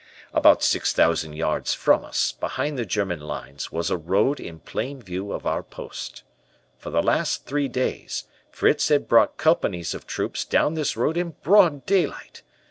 "About six thousand yards from us, behind the German lines, was a road in plain view of our post. For the last three days, Fritz had brought companies of troops down this road in broad daylight.